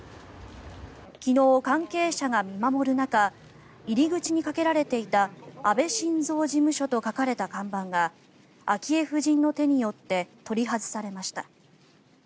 昨日、関係者が見守る中入り口にかけられていた「あべ晋三事務所」と書かれた看板が昭恵夫人の手によって取り外されました。